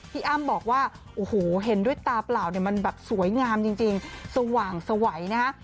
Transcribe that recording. อ้ำบอกว่าโอ้โหเห็นด้วยตาเปล่าเนี่ยมันแบบสวยงามจริงสว่างสวัยนะฮะ